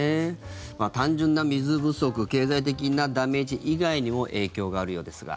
単純な水不足経済的なダメージ以外にも影響があるようですが。